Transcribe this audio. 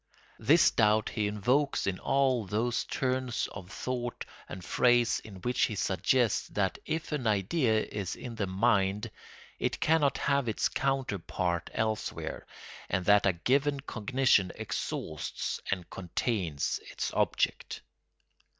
This doubt he invokes in all those turns of thought and phrase in which he suggests that if an idea is in the mind it cannot have its counterpart elsewhere, and that a given cognition exhausts and contains its object.